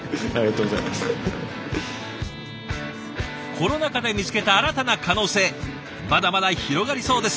コロナ禍で見つけた新たな可能性まだまだ広がりそうです。